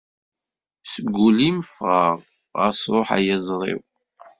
Seg ul-im fɣeɣ, xas ru ay iẓri-w.